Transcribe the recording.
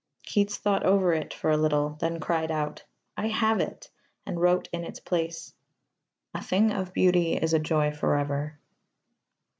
Keats thought over it for a little, then cried out, "I have it," and wrote in its place: A thing of beauty is a joy for ever.